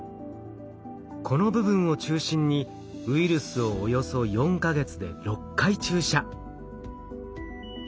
この部分を中心にウイルスをおよそ４か月で６回注射。